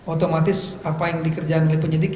otomatis apa yang dikerjakan oleh penyidik